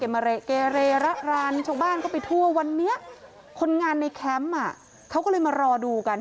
เกเรระรานชาวบ้านก็ไปทั่ววันนี้คนงานในแคมป์เขาก็เลยมารอดูกัน